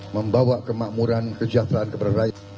membawa kemakmuran kesejahteraan kepada rakyat